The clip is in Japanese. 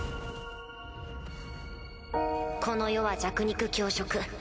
この世は弱肉強食。